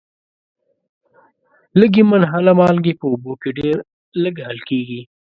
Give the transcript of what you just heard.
لږي منحله مالګې په اوبو کې ډیر لږ حل کیږي.